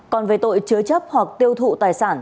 còn về tội chứa chấp hoặc tiêu thụ tài sản